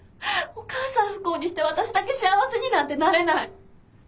お母さん不幸にして私だけ幸せになんてなれない。